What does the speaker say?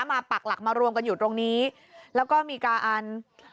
ปักหลักมารวมกันอยู่ตรงนี้แล้วก็มีการ